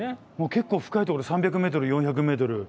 結構深いところで３００ｍ４００ｍ。